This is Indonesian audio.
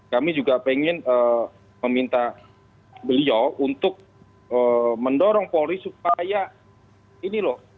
kami juga ingin meminta beliau untuk mendorong polri supaya ini loh